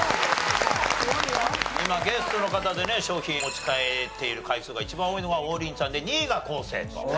今ゲストの方でね賞品を持ち帰っている回数が一番多いのが王林ちゃんで２位が昴生と。